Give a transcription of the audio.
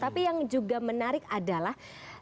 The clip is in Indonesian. tapi yang juga menarik adalah